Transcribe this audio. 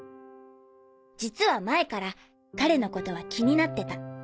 実は前から彼のことは気になってた。